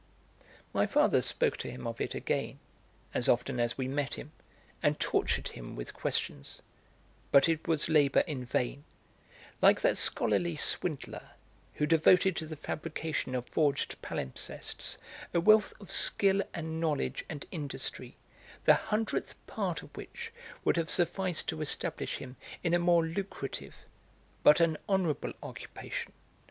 My father spoke to him of it again, as often as we met him, and tortured him with questions, but it was labour in vain: like that scholarly swindler who devoted to the fabrication of forged palimpsests a wealth of skill and knowledge and industry the hundredth part of which would have sufficed to establish him in a more lucrative but an honourable occupation, M.